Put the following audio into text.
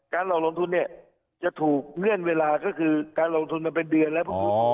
หลอกลงทุนเนี่ยจะถูกเงื่อนเวลาก็คือการลงทุนมาเป็นเดือนแล้ว